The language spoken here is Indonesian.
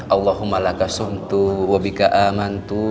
allahumma lakasuntu wabika amantu